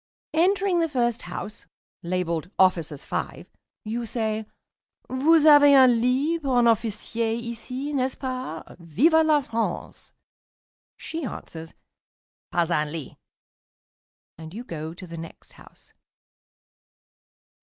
Entering the first house (labeled "Officers 5") you say, "Vous avez un lit pour un Officier ici, n'est ce pas? Vive la France!" She answers, "Pas un lit," and you go to the next house.